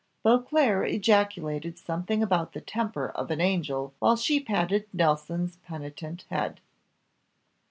Beauclerc ejaculated something about the temper of an angel while she patted Nelson's penitent head.